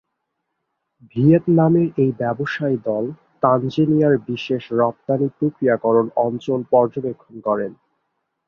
ভিয়েতনামের এই ব্যবসায়ী দল তানজানিয়ার বিশেষ রপ্তানি প্রক্রিয়াকরণ অঞ্চল পর্যবেক্ষণ করেন।